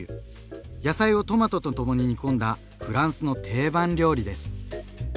野菜をトマトとともに煮込んだフランスの定番料理です。